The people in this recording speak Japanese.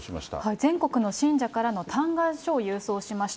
全国の信者からの嘆願書を郵送しました。